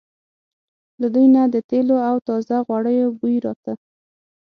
له دوی نه د تېلو او تازه غوړیو بوی راته.